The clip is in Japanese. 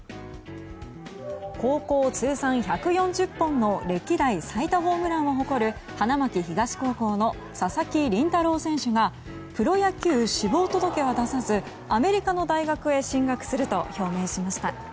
高校通算１４０本の歴代最多ホームランを誇る花巻東高校の佐々木麟太郎選手がプロ野球志望届は出さずアメリカの大学へ進学すると表明しました。